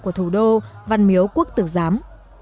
của thủ đô văn miếu quốc tử giám